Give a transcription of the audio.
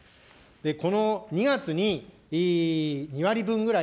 この２月に２割分ぐらい